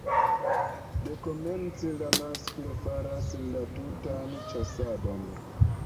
Dekomence la masklo faras la tutan ĉasadon.